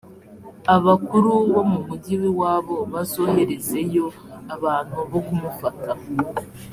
abakuru bo mu mugi w’iwabo bazoherezeyo abantu bo kumufata